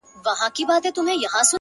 هغه ليوني ټوله زار مات کړی دی،